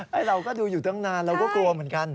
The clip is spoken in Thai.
เราก็ดูอยู่ตั้งนานเราก็กลัวเหมือนกัน